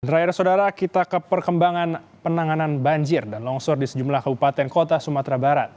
terakhir saudara kita ke perkembangan penanganan banjir dan longsor di sejumlah kabupaten kota sumatera barat